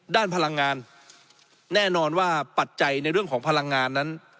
พลังงานแน่นอนว่าปัจจัยในเรื่องของพลังงานนั้น